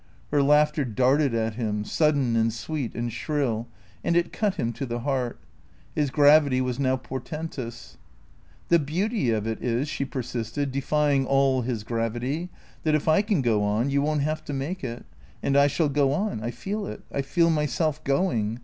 Her laughter darted at him, sudden and sweet and shrill, and it cut him to the heart. His gravity was now portentous. " The beauty of it is," she persisted, defying all his gravity, " that, if I can go on, you won't have to make it. And I shall go on, I feel it ; I feel myself going.